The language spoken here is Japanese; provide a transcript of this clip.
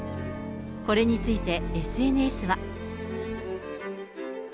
これについて、ＳＮＳは。